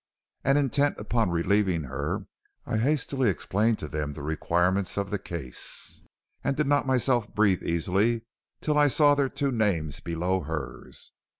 And intent upon relieving her, I hastily explained to them the requirements of the case, and did not myself breathe easily till I saw their two names below hers.